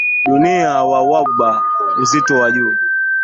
dunia wa wba uzito wa juu